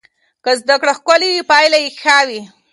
که زده کړه ښکلې وي پایله یې ښه وي.